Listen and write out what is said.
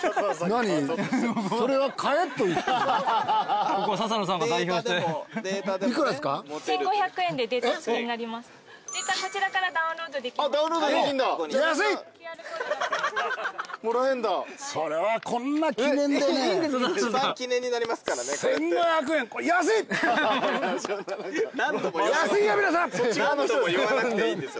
何度も言わなくていいんですよ。